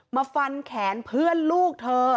มาฟันแขนเพื่อนลูกเธอ